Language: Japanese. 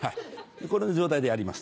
この状態でやります。